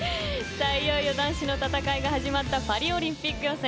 いよいよ男子の戦いが始まったパリオリンピック予選。